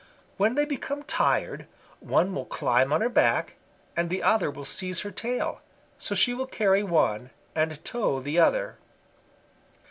When they become tired, one will climb on her back, and the other will seize her tail, so she will carry one and tow the other.